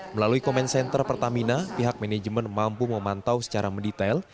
melalui komensenter pertamina pihak manajemen mampu memantau secara mendetail